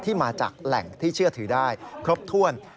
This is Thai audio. มาจากแหล่งที่เชื่อถือได้ครบถ้วน